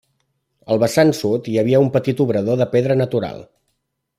Al vessant sud hi havia un petit obrador de pedra natural.